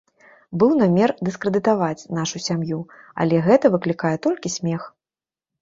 Быў намер дыскрэдытаваць нашу сям'ю, але гэта выклікае толькі смех.